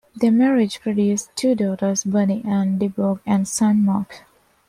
Their marriage produced two daughters, Bunny and Deborah, and a son, Marc.